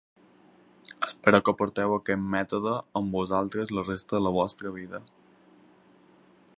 Espero que porteu aquest mètode amb vosaltres la resta de la vostra vida.